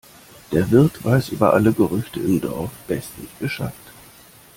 Der Wirt weiß über alle Gerüchte im Dorf bestens Bescheid.